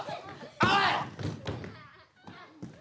おい！